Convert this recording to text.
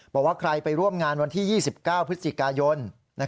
บอกว่าใครไปร่วมงานวันที่๒๙พฤศจิกายน